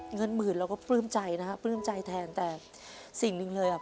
เงินหมื่นเราก็ปลื้มใจนะฮะปลื้มใจแทนแต่สิ่งหนึ่งเลยอ่ะ